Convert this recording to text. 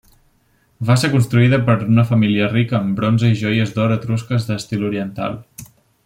Va ser construïda per una família rica amb bronze i joies d'or etrusques d'estil oriental.